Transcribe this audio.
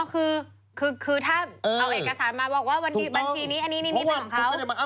อ๋อคือถ้าเอาเอกสารมา